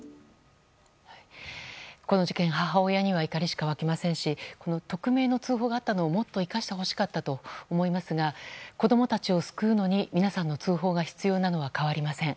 この事件、母親には怒りしか湧きませんし匿名の通報があったのをもっと生かしてほしかったと思いますが子供たちを救うのに皆さんの通報が必要なのは変わりません。